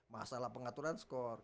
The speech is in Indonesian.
masalah pengaturan skor